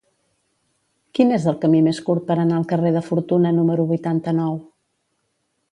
Quin és el camí més curt per anar al carrer de Fortuna número vuitanta-nou?